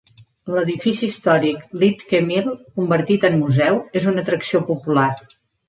L'edifici històric Lidtke Mill, convertit en museu, és una atracció popular.